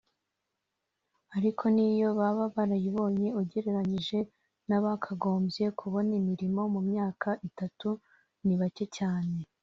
ariko niyo baba barayibonye ugereranyije n’abakagombye kubona imirimo mu myaka itatu ni bake cyane